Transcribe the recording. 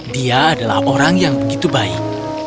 dia adalah orang yang begitu baik